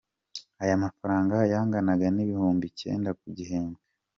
Aya mafaranga yanganaga n’ibihumbi icyenda ku gihembwe.